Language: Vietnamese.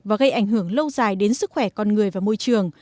và gây ảnh hưởng lâu dài đến sức khỏe con người và môi trường